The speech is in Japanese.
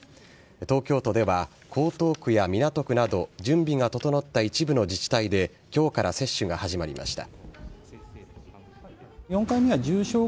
東京都では江東区や港区など準備が整った一部の自治体で今日から接種が始まりました。